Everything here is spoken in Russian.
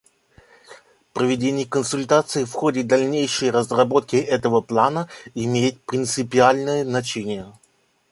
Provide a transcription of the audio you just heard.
Проведение консультаций в ходе дальнейшей разработки этого плана имеет принципиальное значение.